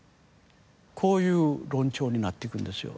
こういう論調になっていくんですよ。